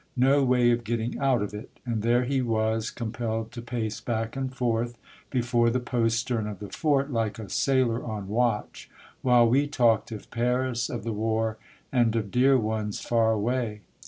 No way of getting out of it ! And there he was, compelled to pace back and forth, before the postern of the fort, like a sailor on watch, while we talked of Paris, of the war, and of dear ones far away.